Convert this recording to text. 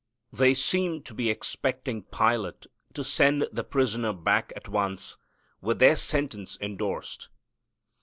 They seem to be expecting Pilate to send the prisoner back at once with their death sentence endorsed.